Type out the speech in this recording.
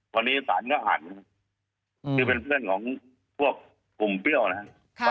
วันนี้สารก็หันที่เป็นเพื่อนของพวกกลุ่มเปรี้ยวนะครับ